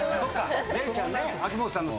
ねるちゃんね秋元さんの。